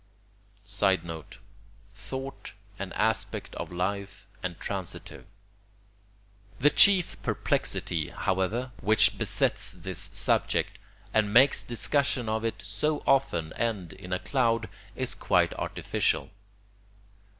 [Sidenote: Thought an aspect of life and transitive] The chief perplexity, however, which besets this subject and makes discussions of it so often end in a cloud, is quite artificial.